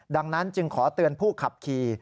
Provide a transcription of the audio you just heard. ดังนั้นจึงขอเตือนผู้ขับขี่